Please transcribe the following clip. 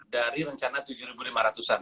dari rencana tujuh ribu lima ratus an